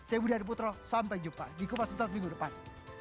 saya budi hadi putro sampai jumpa di kupas dutas minggu depan